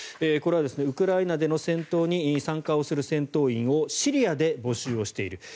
これはウクライナでの戦闘に参加をする戦闘員をシリアで募集している。